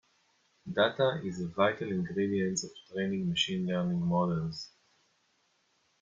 Data is a vital ingredient of training machine learning models.